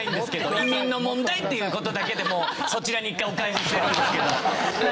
移民の問題という事だけでもうそちらに一回お返ししてるんですけど。